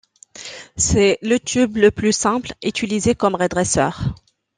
C'est le tube le plus simple, utilisé comme redresseur.